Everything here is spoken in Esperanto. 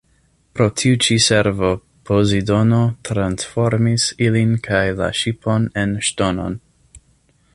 Pro tiu ĉi servo Pozidono transformis ilin kaj la ŝipon en ŝtonon.